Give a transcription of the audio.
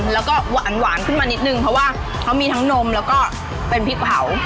แล้วก็หวานขึ้นมานิดนึงเพราะว่าเขามีทั้งนมแล้วก็เป็นพริกเผา